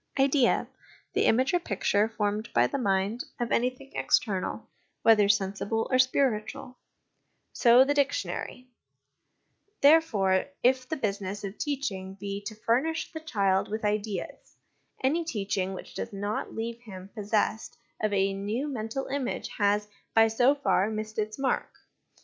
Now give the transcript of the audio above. ' Idea, the image or picture formed by the mind of anything external, whether sensible or spiritual/ so, the dictionary ; therefore, if the business of teaching be to furnish the child with ideas, any teaching which does not leave him possessed of a new mental image has, by so far, missed its mark.